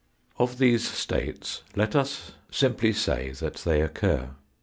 Of these states let us simply say that they occur.